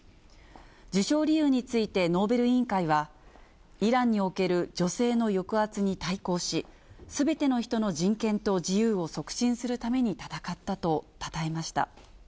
授賞理由についてノーベル委員会は、イランにおける女性の抑圧に対抗し、すべての人の人権と自由を促進するために闘ったとたたえました。